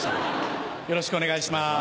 よろしくお願いします。